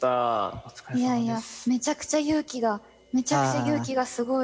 めちゃくちゃ勇気がめちゃくちゃ勇気がすごい。